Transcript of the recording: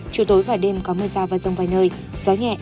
chiều tối và đêm có mưa rào và rông vài nơi gió nhẹ